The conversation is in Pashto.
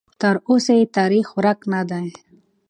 تراوسه یې تاریخ ورک نه دی.